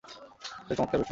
সে চমৎকার ব্যক্তিত্ব।